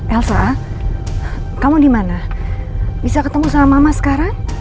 elsa kamu dimana bisa ketemu sama mama sekarang